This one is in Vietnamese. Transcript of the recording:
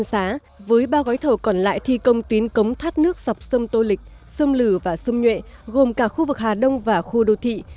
sông lử và sông nhuệ gồm cả khu vực hà đông và khu đô thị